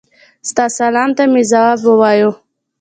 ستا سلام ته مي ځواب ووایه.